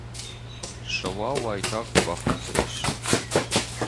Сӕуа уайтагъд бахӕццӕ ис.